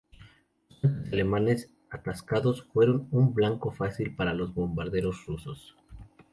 Los tanques alemanes atascados fueron un blanco fácil para los bombarderos rusos.